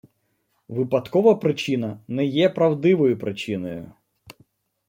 Випадкова причина не є правдивою причиною.